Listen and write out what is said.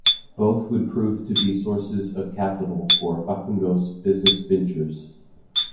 Both would prove to be sources of capital for Facundo's business ventures.